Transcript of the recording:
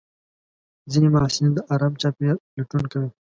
ځینې محصلین د ارام چاپېریال لټون کوي.